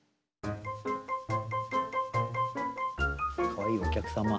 「かわいいお客さま」。